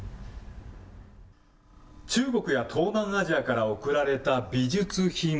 中国や東南アジアから贈られた美術品。